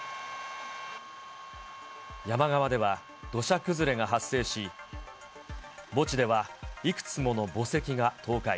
山側では土砂崩れが発生し、墓地では、いくつもの墓石が倒壊。